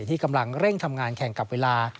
ที่กำลังเร่งทำงานแข่งกับเวลา